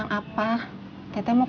aku mau berduit tuh